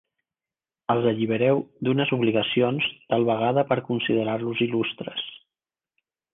Els allibereu d'unes obligacions, tal vegada per considerar-los il·lustres.